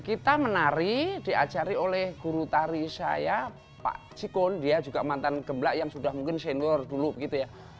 kita menari diajari oleh guru tari saya pak cikun dia juga mantan gemlak yang sudah mungkin senior dulu begitu ya